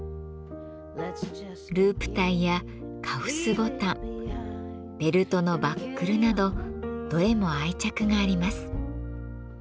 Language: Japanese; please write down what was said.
ループタイやカフスボタンベルトのバックルなどどれも愛着があります。